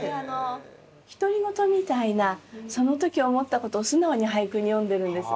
独り言みたいなその時思ったことを素直に俳句に詠んでるんです。